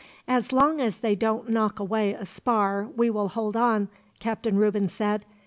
"As long as they don't knock away a spar we will hold on," Captain Reuben said.